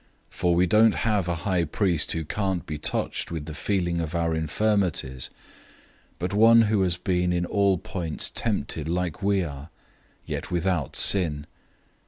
004:015 For we don't have a high priest who can't be touched with the feeling of our infirmities, but one who has been in all points tempted like we are, yet without sin.